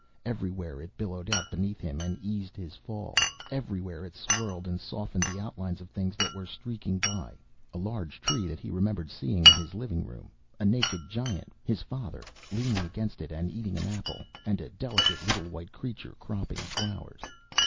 Everywhere it billowed out beneath him and eased his fall. Everywhere it swirled and softened the outlines of things that were streaking by a large tree that he remembered seeing in his living room, a naked giant, his father, leaning against it and eating an apple, and a delicate little white creature cropping flowers.